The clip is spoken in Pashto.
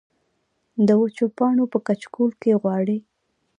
د وچو پاڼو پۀ کچکول کې غواړي